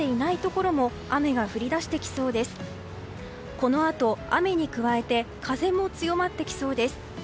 このあと雨に加えて風も強まってきそうです。